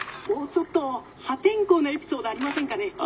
「もうちょっと破天荒なエピソードありませんかね？」。